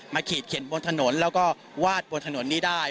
ขีดเข็นบนถนนแล้วก็วาดบนถนนนี้ได้